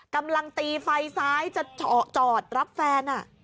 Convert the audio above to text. กำลังตีไฟซ้ายจะจอดรับแฟน